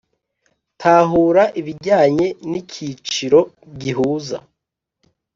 Tahura ibijyanye n’ikiciro gihuza